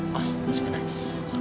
mas masih panas